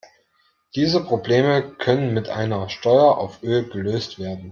Diese Probleme können mit einer Steuer auf Öl gelöst werden.